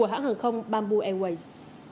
hãng hàng không bamboo airways